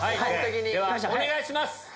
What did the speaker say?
ではお願いします！